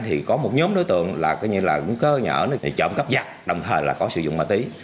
thì có một nhóm đối tượng là cơ nhở trộm cấp giặc đồng thời là có sử dụng mạ tí